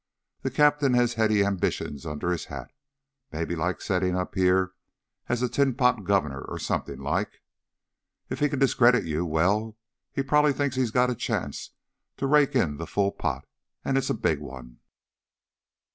That captain has heady ambitions under his hat, maybe like setting up here as a tinpot governor or something like. If he can discredit you, well, he probably thinks he's got a chance to rake in the full pot, and it's a big one.